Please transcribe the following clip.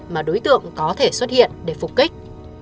mà đối tượng có thể xuất hiện để phục kích